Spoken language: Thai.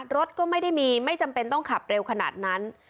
รถก็ไม่ได้มีไม่จำเป็นต้องขับเร็วขนาดนั้น